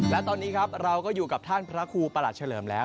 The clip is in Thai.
และตอนนี้ครับเราก็อยู่กับท่านพระครูประหลัดเฉลิมแล้ว